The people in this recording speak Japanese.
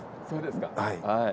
そうですか。